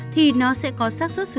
thì nó sẽ có sát xuất sử dụng